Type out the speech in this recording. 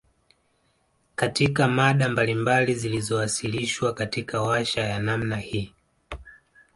Katika mada mbalibali zilizowasilishwa katika warsha ya namna hii